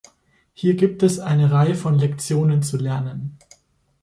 Hier gibt es eine Reihe von Lektionen zu lernen.